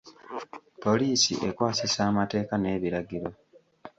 Poliisi ekwasisa amateeka n'ebiragiro.